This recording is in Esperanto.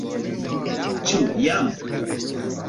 Ĉu jam?